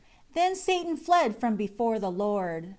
6 Then Satan fled from before the Lord.